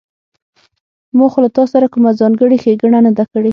ما خو له تاسره کومه ځانګړې ښېګڼه نه ده کړې